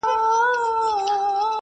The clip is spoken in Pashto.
په ښکلا یې له هر چا وو میدان وړی ,